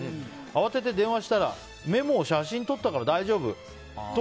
慌てて電話したらメモ、写真撮ったから大丈夫と。